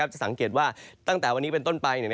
จะสังเกตว่าตั้งแต่วันนี้เป็นต้นไป